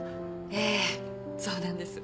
ええそうなんです。